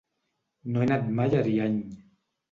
No he anat mai a Ariany.